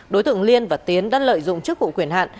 đối tượng liên và tiến đã lợi dụng chức vụ quyền hạn